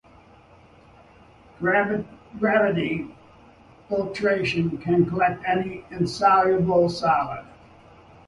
Gravity filtration can collect any insoluble solid.